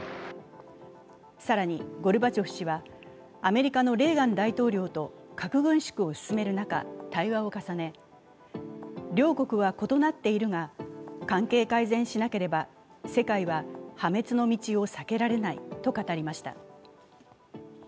更にゴルバチョフ氏はアメリカのレーガン大統領と核軍縮を進める中、対話を重ね、両国は異なっているが、関係改善しなければ世界は破滅の道を避けられないと語りました。